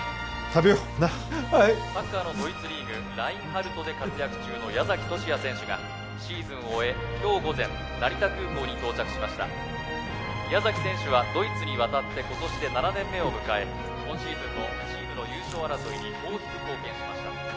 サッカーのドイツリーグラインハルトで活躍中の矢崎十志也選手がシーズンを終え今日午前成田空港に到着しました矢崎選手はドイツに渡って今年で７年目を迎え今シーズンもチームの優勝争いに大きく貢献しました